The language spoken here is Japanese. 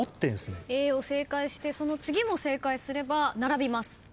Ａを正解してその次も正解すれば並びます。